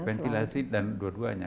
ventilasi dan dua duanya